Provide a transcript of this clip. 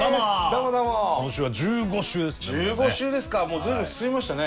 今週は１５週ですね